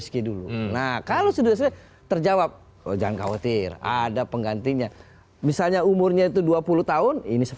ternyata sudah terjawab terjawab lonjang khawatir ada penggantinya misalnya umurnya itu dua puluh tahun ini